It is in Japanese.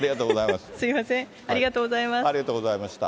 すみません、ありがとうございました。